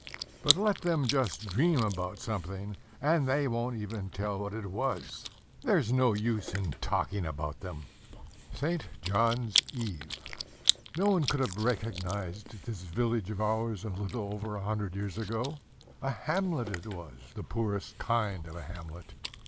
But let them just dream about something, and they won't even tell what it was! There's no use in talking about them! ST. JOHN'S EVE. No one could have recognized this village of ours a little over a hundred years ago: a hamlet it was, the poorest kind of a hamlet.